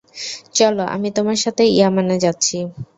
চল, আমি তোমার সাথে ইয়ামানে যাচ্ছি।